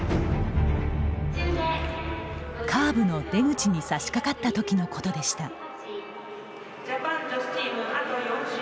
カーブの出口にさしかかったときのことでした。